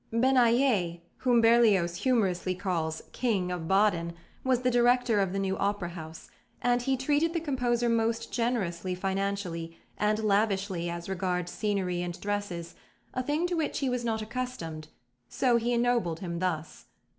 Benayet, whom Berlioz humorously calls "King of Baden," was the director of the new Opera House, and he treated the composer most generously financially, and lavishly as regards scenery and dresses a thing to which he was not accustomed: so he ennobled him thus.